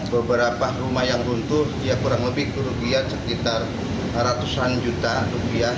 beberapa rumah yang runtuh ya kurang lebih kerugian sekitar ratusan juta rupiah